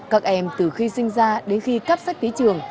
các em từ khi sinh ra đến khi cắp sách tới trường